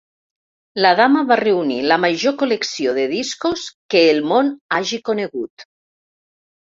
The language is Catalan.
La dama va reunir la major col·lecció de discos que el món hagi conegut.